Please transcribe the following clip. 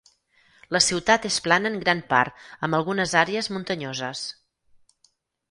La ciutat és plana en gran part, amb algunes àrees muntanyoses.